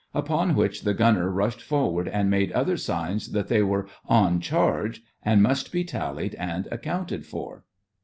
Upon which the gunner rushed forward and made other signs that they were "on charge," and must be tallied and accounted for.